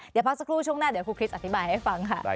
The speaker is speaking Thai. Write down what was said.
เดี๋ยวพักสักครู่ช่วงหน้าเดี๋ยวครูคริสอธิบายให้ฟังค่ะ